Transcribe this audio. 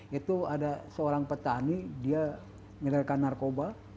itu ada seorang petani dia menyerangkan narkoba